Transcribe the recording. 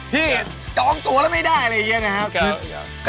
จองตัวแล้วไม่ได้อะไรอย่างนี้นะครับ